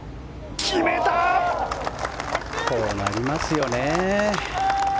こうなりますよね。